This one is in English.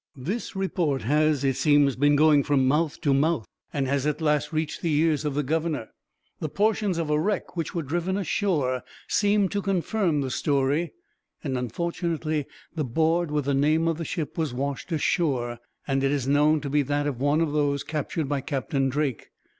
This report has, it seems, been going from mouth to mouth; and has at last reached the ears of the governor. The portions of a wreck, which were driven ashore, seem to confirm the story; and unfortunately, the board with the name of the ship was washed ashore, and it is known to be that of one of those captured by Captain Drake.